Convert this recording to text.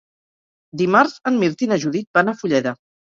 Dimarts en Mirt i na Judit van a Fulleda.